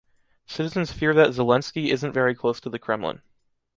Citizens fear that Zelensky isn’t very close to the Kremlin.